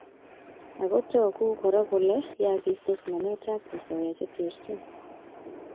ako togu Kora kole yaakistos nametab osoya che terchin